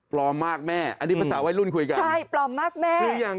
ปลอมมากแม่อันนี้ภาษาไว้รุ่นคุยกัน